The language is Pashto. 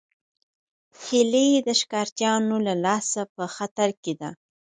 هیلۍ د ښکارچیانو له لاسه په خطر کې ده